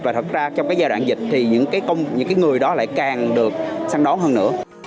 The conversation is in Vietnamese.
và thật ra trong cái giai đoạn dịch thì những người đó lại càng được săn đón hơn nữa